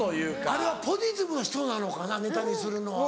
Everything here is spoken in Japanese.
あれはポジティブの人なのかなネタにするのは。